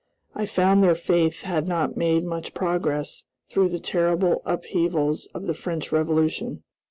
I found their faith had not made much progress through the terrible upheavals of the French Revolution.